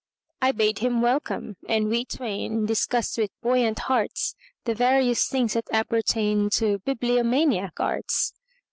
I bade him welcome, and we twainDiscussed with buoyant heartsThe various things that appertainTo bibliomaniac arts.